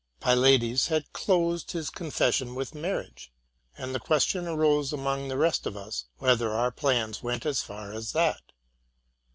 Pylades had closed his confession with inarriage ; and the question arose among the rest of us. whether our plans went as far as that.